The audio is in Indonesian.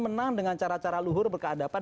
menang dengan cara cara luhur berkeadapan